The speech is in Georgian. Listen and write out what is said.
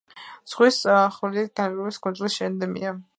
ზღვის ხვლიკი გალაპაგოსის კუნძულების ენდემია.